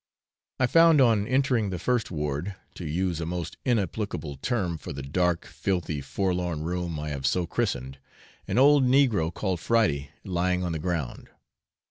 I found on entering the first ward, to use a most inapplicable term for the dark, filthy, forlorn room I have so christened, an old negro called Friday lying on the ground.